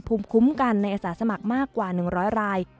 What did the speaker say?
ภูมิคุ้มกันในอาสาสมัครมากกว่า๑๐๐ราย